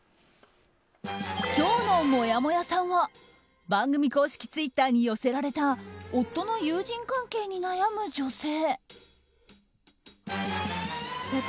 今日のもやもやさんは番組公式ツイッターに寄せられた夫の友人関係に悩む女性。